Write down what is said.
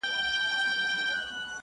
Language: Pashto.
o خيال ويل ه مـا پــرې وپاسه؛